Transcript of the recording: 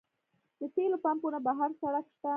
د تیلو پمپونه په هر سړک شته